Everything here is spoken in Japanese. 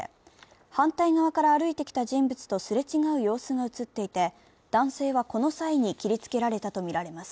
反対側から歩いてきた人物とすれ違う様子が映っていて、男性はこの際に切りつけられたとみられます。